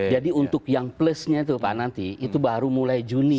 jadi untuk yang plusnya itu pak nanti itu baru mulai juni